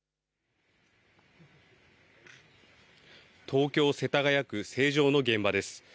東京世田谷区成城の現場です。